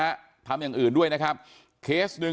อันนี้มันต้องมีเครื่องชีพในกรณีที่มันเกิดเหตุวิกฤตจริงเนี่ย